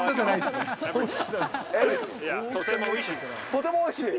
とてもおいしい。